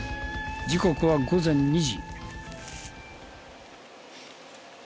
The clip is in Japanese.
時刻は午前２時。